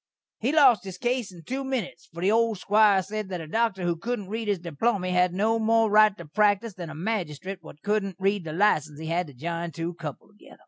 He lost his case in two minits, for the old squire sed that a dokter who couldn't read his diplomy had no more right to praktise than a magistrate what couldn't read the license had to jine two cuple together.